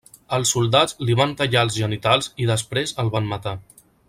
Els soldats li van tallar els genitals i després el van matar.